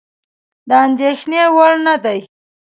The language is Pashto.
د اندېښنې وړ نه دي.